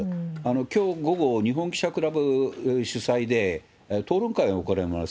きょう午後、日本記者クラブ主催で討論会を行います。